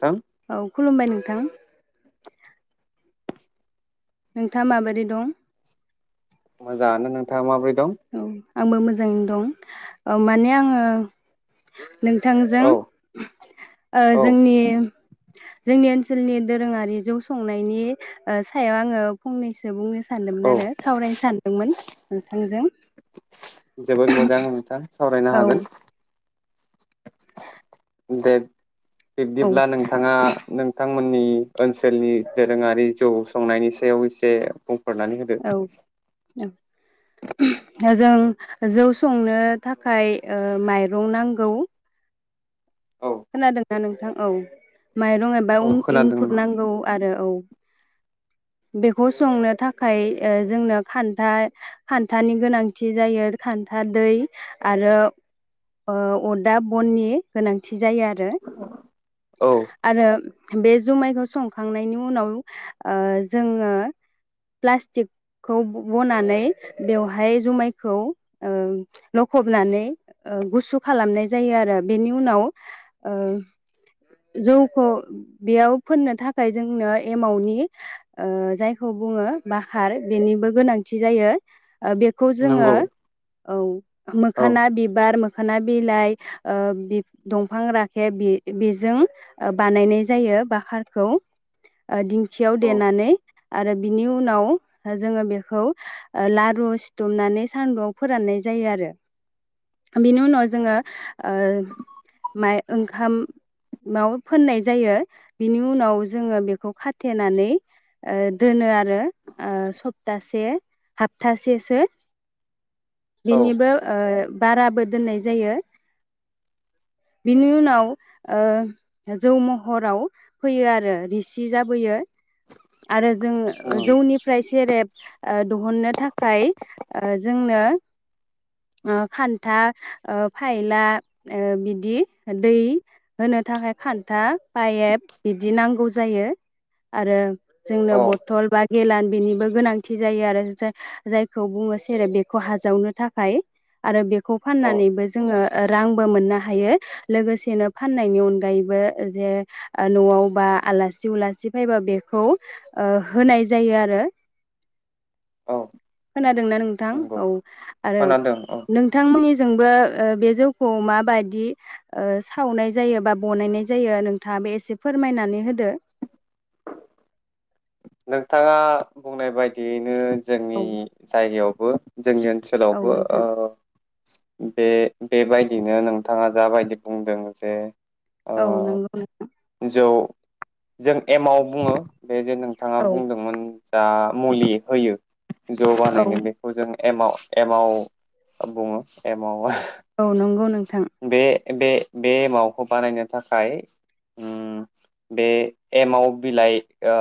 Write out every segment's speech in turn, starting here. थां औ खुलुमबाय नोंथां नोंथाङा माबोरै दं? मोजाङानो नोंथां नोंथाङा माबोरै दं? औ आंबो मोजाङैनो दं माने आङो नोंथांजों औ ओ औ जोंनि जोंनि ओनसोलनि दोरोङारि जौ संनायनि ओ सायाव आङो फंनैसो बुंनो सानदोंमोन औ आरो सावरायनो सानदोंमोन नोंथांजों जोबोद मोजां नोंथां। सावरायनो औ हागोन दे औ बिब्दिब्ला नोंथाङा नोंथां मोननि ओनसोलनि दोरोङारि जौ संनायनि सायाव एसे बुं औ औ [unintelligible] जों जौ संनो थाखाय ओ माइरं नांगौ। औ खोनादोंना नोंथां? औ माइरं एबा औ उं इं खोनादों खुरनांगौ आरो औ। बेखौ संनो थाखाय ओ जोंनो खान्था खान्थानि गोनांथि जायो खान्था दै आरो ओ अरदाब बननि गोनां थि जायो आरो। औ आरो बे जुमायखौ संखांनायनि उनाव ओ जोङो प्लास्टिकखौ बनानै बेवहाय जुमायखौ ओम लखबनानै ओ गुसु खालामनाय जायो आरो बेनि उनाव ओ जौखौ बेयाव फोननो थाखाय जोंनो एमावनि ओ जायखौ बुङो बाहार बेनिबो गोनांथि जायो। ओ बेखौ जोङो नंगौ औ। औ मोखाना बिबार खोना बिलाइ ओ बि दंफां राखेब बि बेजों ओ बानायनाय जायो बाखारखौ ओ दिंखियाव औ देनानै आरो बिनि उनाव जोङो बेखौ ओ लारु सिथुमनानै सान्दुंआव फोराननाय जायो आरो। बिनि उनाव जोङो ओ माइ ओंखाम माव फोननाय जायो बिनि उनाव जोङो बिखौ खाथेनानै ओ दोनो आरो ओ सप्तासे हप्तासेसो। औ बिनिबो ओ बाराबो दोननाय जायो बिनि उनाव ओ जौ महराव फैयो आरो रोसि जाबोयो। आरो जों जौनिफ्राय सेरेब ओ दिहुननो थाखाय ओ जोंनो ओ खान्था ओ फायला ओ बिदि दै होनो थाखाय खान्था पाइप बिदि नांगौ जायो आरो जोंनो औ बथल बा गेेलान बेनिबो गोनांथि जायो आरो जा-जायखौ बुङो सेरे बेखौ हाजावनो थाखाय आरो बेखौ औ फाननानैबो जोङो ओ रांबो मोननो हायो लोगोसेनो फाननायनि अनगायैबो जे आ न'आव बा आलासि उलासि फैबा बेखौ ओ होनाय जायो आरो। औ खोनादोंना नोंथां नंगौ औ आरो खोनादों औ नोंथांमोननि जोंबो ओ बे जौखौ मा बायदि सावनाय जायो बा बनायनाय जायो नोंथाङा बे एसे फोरमायनानै होदो नोंथाङा बुंनाय बायदियैनो जोंनि औ जायगायाव बो जोंनि औ ओनसोलावबो ओ नोंथां बे बेबायदिनो नोंथाङा जाबायदि बुंदों जे ओ औ नंगौ नोंथां जौ जों एमाव बुङो बे ज बिथाङा औ बुंदोंमोन जा मुलि होयो ज' औ बानायनो बेखौ जों एमाव एमाव बुङो एमावा औ नंगौ नोंथां बे बे बे एमावखौ बानायनो थाखाय ओम बे एमाव बिलाइ ओ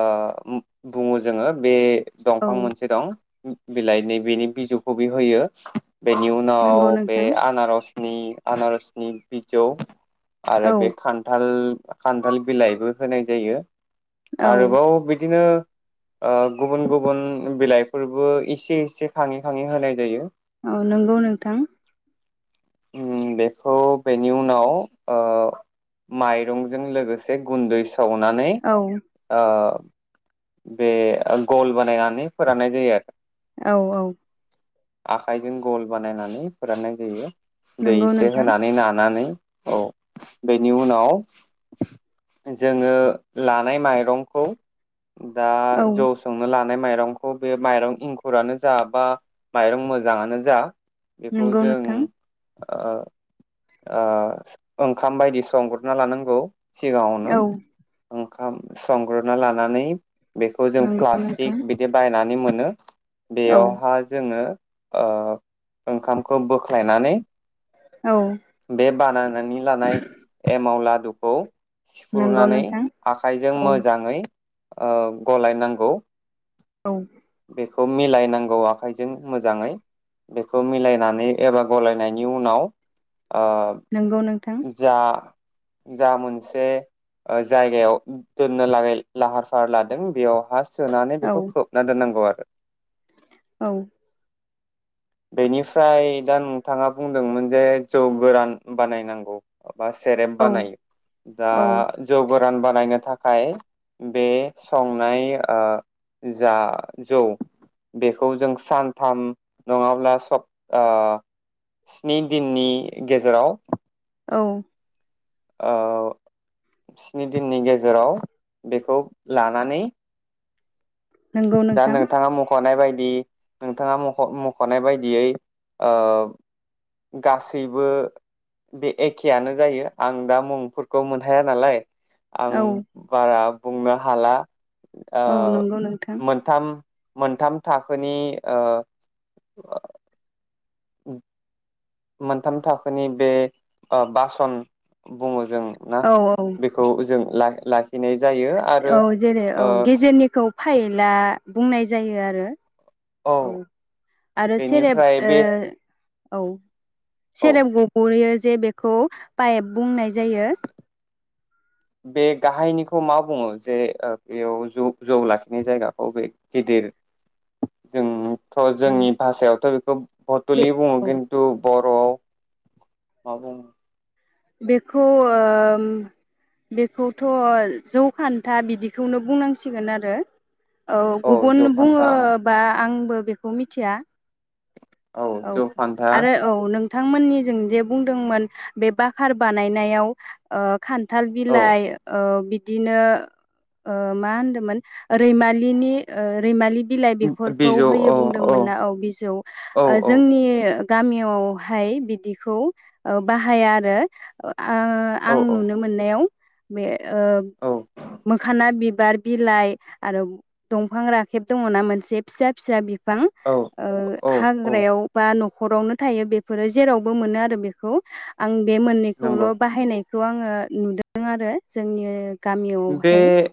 बुङो जोङो बे औ दंफां मोनसे दं बिलाइ नै बेेनि बिजौखौबो होयो बेनि नंगौ उनाव बे नोंथां आनारस उम आनारसनि बिजौ औ आरो बे खान्थाल खान्थाल बिलाइबो होनाय जायो औ आरोबाव बिदिनो ओ गुबुन गुबुन बिलाइफोरबो इसे एसे खाङै खाङै होनाय जायो औ नंगौ नोंथां उम बेखौ बेनि उनाव माइरंजों लोगोसे गुन्दै स सावनानै औ ओ बे गल बानायनानै फोराननाय जायो आरो औ-औ आखाइजों गल बानायनानै फोराननाय जायो दै नंगौ एसे नोंथां होनानै नानानै औ बेनि उनाव जोङो लानाय माइरंखौ दा औ जौ संनो ला माइरंखौ बे माइरं इंखुरानो जा बा माइरं मोजाङानो जा बेखौ नंगौ जों नोंथां ओ-ओ ओंखाम बायदि संग्रोना लानांगौ। सिगाङावनो औ ओ खाम संग्रोना लानानै बेखौ जों नंगौ प्लास्टिक नोंथां बिदि बायनानै मो नो औ बेयावहा जोङो ओ ओंखामखौ बोख्लायनानै औ बे बानायनानै लानाय एमाव ला [unintelligible] नंगौ सिफ्रुनानै नोंथां आखाइजों औ मोजाङै आ गलायनांगौ। औ बेखौ मिलायनांगौ आखाइजों मोजाङै बेखौ मिलायनानै एबा गलायनायनि उनाव आ नंगौ नोंथां जा जा मोनसे ओ जायगायाव दोननो लागै लाहार फाहार लादों बेयावहा सोनानै औ बेखौ खोबना दोननांगौ आरो। औ बेनिफ्राय दा नोंथाङा बुंदोंमोन जे जौ गोरान बानायनां बा सेरेब औ बानायो दा औ जौ गो रान बानायनो थाखाय बे संनाय ओ जा जौ बेखौ जों सानथाम नङाब्ला सप ओ स्नि दिननि गेजेराव औ ओ स्नि दिननि गेजेराव बेखौ लानानै नंगौ नोंथां। ख'नाय बायदि नोंथाङा मख' मख'नाय बायदियै ओ गासैबो बे एखेयानो जायो आं दा मुंफोरखौ मोनहाया नालाय आं औ बारा बुंनो हाला। ओ‌ औ नंगौ नोंथां मोनथाम मोनथाम थाखोनि ओ [inaudible] मोनथाम थाखोनि बे ओ बासन बुङो जों ना औ औ बेखौ जों ला लाखिनाय औ जेरै औ गेजेरनिखौ फाइला बुंनाय जायो आरो औ आरो सेरेब बेनिफ्राय बे ओ औ औ सेरेब गबोयो जे बेखौ पाइप बुंनाय जायो बे गाहायनिखौ मा बुङो जे बेयाव जौ जौ लाखिनाय जायगाखौ बे गेदिर जों थ' औ जोंनि भाषायावथ' बेखौ बे बतलि बुङो औ खिन्थु बर'आव मा बुङो बेखौ बेखौथ' जौ खान्था बिदिखौनो बुंनांसिगोन आरो औ औ जौ गुबुन फान्था ओं बुङोबा आं आंबो बेखौ मिथिया औ जौ फान्था आरो औ नों बिथांमोननि जों जे बुंदोंमोन बे बाखखार बानायनायाव खान्थाल औ बिलाइ बिदिनो ओ मा होनदोंमोन रैमालिनि ओ रैमालि बिलाइ बेफोरखौ बिजौ होयो औ बुंदोंमोन ना औ बिजौ औ औ जोंनि गामियावहाय बिदिखौ बाहाया आरो औ आं नुनो मोननायाव बे ओ मोखाना बि बिबार बिलाइ आरो दंफां राखेब दङना मोनसे फिसा फिसा बिफां औ ओ औ औ हाग्रायाव बा न'खरावनो थायो बेफोरो जेरावबो मोनो आरो बेखौ आं बे मोननैखौल' नंगौ बाहायनाय खौ आङो नुदों आरो जोंनि गामियावहाय बे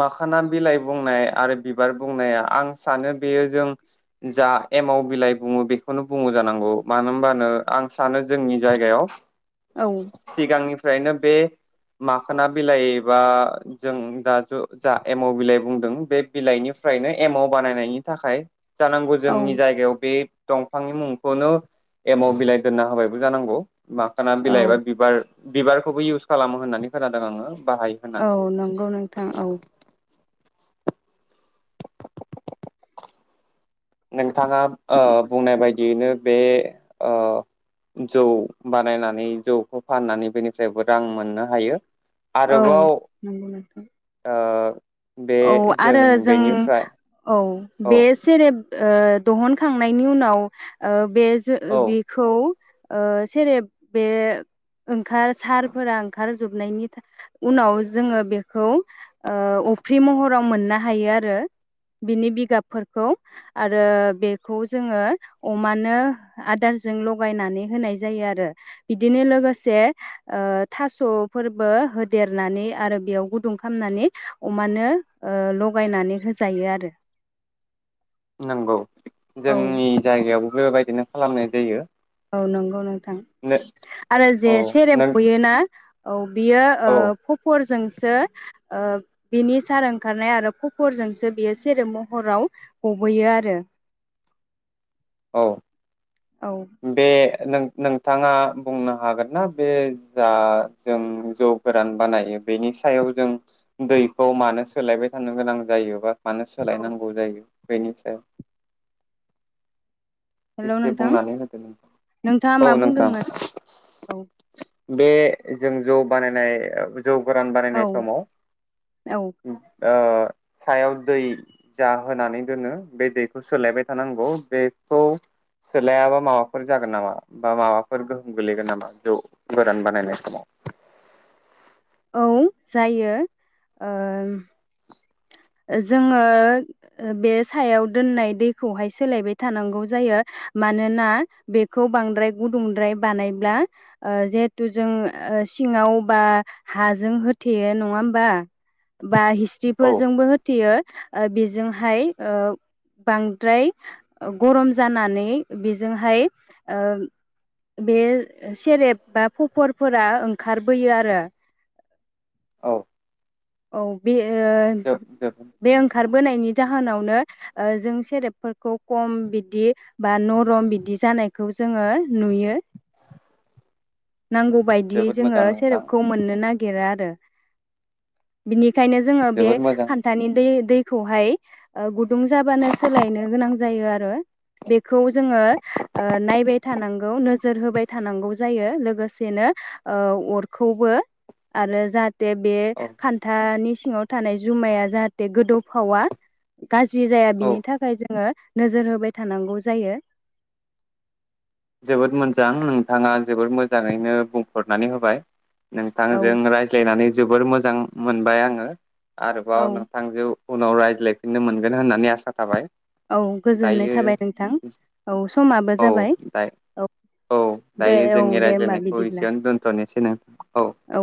माखाना बिलाइ बुंनाय आरो बिबार बुंनाया आं सानो बेयो जों जा एमाव बिलाइ बुङो बेखौनो बुङो जानांगौ मानो होनबानो आं सानो जोंनि जायगायाव औ सिगांनि फ्रायनो बे माखोना बिलाइ एबा जों दा ज' जा एम' बिलाइ बुंदों बे बिलाइनिफ्रायनो एमाव बानायनायनि थाखाय जानांगौ औ जोंनि जायगायाव बे दंफांनि मुंखौनो एमाव बिलाइ दोनना होबायबो जानांगौ माखाना औ बिलाइबा बिबार बिबारखौबो इउस खालामो होननानै खोनादों आङो बाहाय औ नंगौ नोंथां औ। नोंथाङा ओ बुंनाय बायदियैनो बे ओ जौ बानायनानै जौखौ फाननानै बेनिफ्रायबो रां मोननो हायो। औ आरोबाव नंगौ नोंथां ओ बे औ आरो जों बेनिफ्राय औ औ बे सेरेब ओ दहनखांनायनि उनाव ओ बे जो ओ औ बेखौ ओ सेरेब बे ओं ओंखार सारफोरा ओंखार जोबनायनि था उनाव जोङो बेखौ ओ अफ्रि महराव मोननो हायो आरो बिनि बिगाबफोरखौ आरो बेखौ जोङो अमानो आदारजों लगायनानै होनाय जायो आरो बिदिनो लोगोसे ओ थास'फोरबो होदेरनानै आरो बेयाव गुदुं खालामनानै अमानो ओ लगायनानै होजायो आरो। नंगौ। औ जोंनि जायगायाव बेबायदिनो खालामनाय जायो। औ नोंगौ नों थां नो आरो जे औ सेरेब नों गयोना औ। बियो ओ औ खपरजों सो बिनि सार ओंखारनाय आरो कफरजोंसो बियो सेरेब महराव गबोयो आरो। औ। औ बे नोंथाङा बुंनो हागोन ना बे जा जों जौ गोरान बानायो बेनि सायाव जों दैखौ मानो सोलायबाय थानो गोनां जायोबा। मानो औ सोलायनांगौ जायो? बेनि सायाव। हेल' एसे नोंथां बुंनानै होदो नोंथां नोंथाङा मा औ नोंथां बुंदोंमोन? औ। बे जों जौ बानायनाय। जौ गोरान बानायनाय औ समाव औ ओ सायाव दै जा होनानै दोनो बे दैखौ सोलायबाय थानांगौ बेखौ सोलायाबा माबाफोर जागोन नामा बा माबाफोर गोहोम गोलैगोन नामा जौ गोरान बानायनाय समाव औ जायो। जोङो बे सायाव दोननाय दैखौहाय सोलायबाय थानांगौ जायो मानोना बेखौ बांद्राय गुदुंद्राय बानायब्ला जिहेथु जों सिङाव बा हाजों होथेयो नङा होमबा? बा औ हिस्ट्रिफोरजोंबो हो यो बेजोंहाय ओ बांद्राय गरम जानानै बेजोंहाय ओ बे सेरेब बा खफरफोरा ओंखारबोयो आरो। औ। औ बे ओ बे ओंखारबोनायनि जाहोनावनो ओ जों सेरेबफोरखौ खम बिदि बा नरम बिदि जानायखौ जोङो नुयो। नांगौ बायदियै जोबोद जोङो मोजां नोंथां सेरेपखौ मोननो नागिरा आरो। बिनि बेखायनो जोङो बे जोबोद मोजां खान्थानि दै दै खौहाय गुदुं जाबानो सोलायनो गोनां जायो आरो बेखौ जोङो नायबाय थानांगौ नोजोर होबाय थानांगौ जायो लो लोगोसेनो अरखौबो आरो जाहाथे बे औ खान्थानि सिङाव थानाय जुमाया जाहाथे गोदौफावा गाज्रि जाया औ बिनि थाखाय जोङो नोजोर होबाय थानांगौ जायो। जोबोद मोजां नोंथाङा जोबोद मोजाङैनो बुंफुरनानै होबाय। औ नोंथांजों रायज्लायनानै जोबोर मोजां मोनबाय आङो। औ आरोबाव नोंथांजों उनाव रायज्लायफिननो मोनगोन होननानै आसा थाबाय। औ गोजोननाय दायो थाबाय नोंथां औ समाबो औ जाबाय। औ औ दे दायो औ जोंनि दे होमबा रायज्लायनायखौ बिदिब्ला एसेयावनो दोन्थ' नोसै नों औ।